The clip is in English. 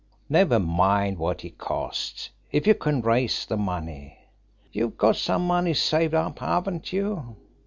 Never mind what he costs, if you can raise the money. You've got some money saved up, haven't you?"